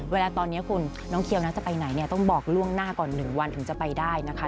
เวลาตอนนี้คุณน้องเขียวนะจะไปไหนเนี่ยต้องบอกล่วงหน้าก่อน๑วันถึงจะไปได้นะคะ